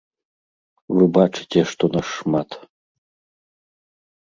Вы бачыце, што нас шмат.